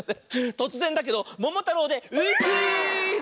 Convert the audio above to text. とつぜんだけど「ももたろう」で「う」クイズ！